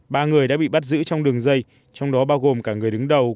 ba người đã bị bắt giữ trong đường dây trong đó bao gồm cả người đứng đầu